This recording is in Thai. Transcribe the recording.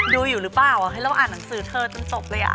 ดูอยู่หรือเปล่าให้เราอ่านหนังสือเธอจนจบเลยอ่ะ